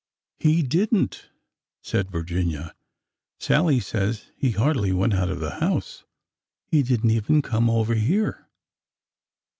'' He did n't," said Virginia. Sallie says he hardly went out of the house. He did n't even come over here."